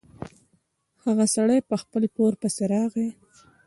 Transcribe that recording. هغه سړی په خپل پور پسې راغی.